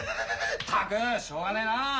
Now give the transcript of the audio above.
・ったくしょうがねえなあ！